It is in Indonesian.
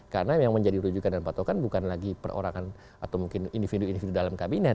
karena yang menjadi rujukan dan patokan bukan lagi perorangan atau mungkin individu individu dalam kabinet